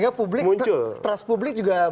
sehingga publik trust publik juga kecil sekali